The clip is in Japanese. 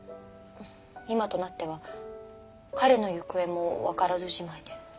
今となっては彼の行方も分からずじまいで。